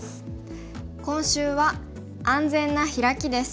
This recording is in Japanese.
今週は「安全なヒラキ」です。